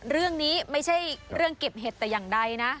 เรื่องนี้ไม่ใช่เรื่องเก็บเห็ดแต่อย่างใดนะ